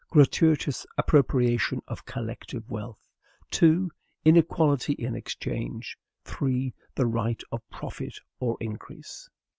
GRATUITOUS APPROPRIATION OF COLLECTIVE WEALTH; 2. INEQUALITY IN EXCHANGE; 3. THE RIGHT OF PROFIT OR INCREASE.